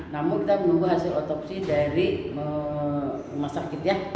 namun kita menunggu hasil otopsi dari masakit ya